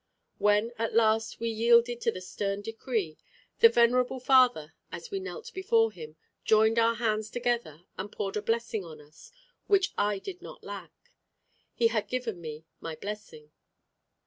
When at last we yielded to the stern decree, the venerable father, as we knelt before him, joined our hands together, and poured a blessing on us, which I did not lack. He had given me my blessing.